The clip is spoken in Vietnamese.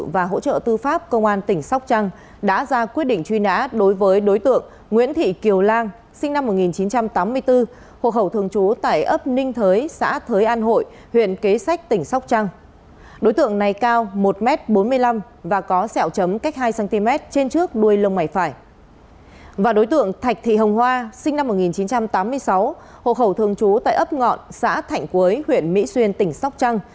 và đối tượng thạch thị hồng hoa sinh năm một nghìn chín trăm tám mươi sáu hộ khẩu thường trú tại ấp ngọn xã thảnh quế huyện mỹ xuyên tỉnh sóc trăng